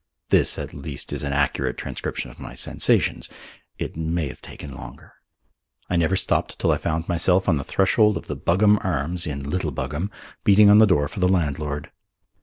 This at least is an accurate transcription of my sensations. It may have taken longer. I never stopped till I found myself on the threshold of the Buggam Arms in Little Buggam, beating on the door for the landlord.